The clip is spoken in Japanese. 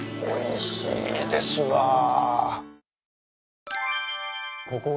おいしいですわ。